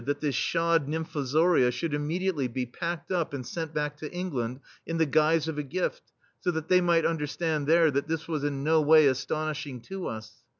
THE STEEL FLEA that this shod nymfozoria should im mediately be packed up and sent back to England, in the guise of a gift, so that they might understand there that this was in no way astonishing to us.